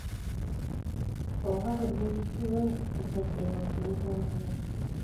Bw'oba toziyize lusejjera oziyita otya?